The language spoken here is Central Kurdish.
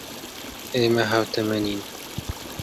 ئێمە ھاوتەمەنین.